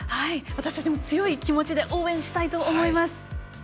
私たちも強い気持ちで応援したいと思います。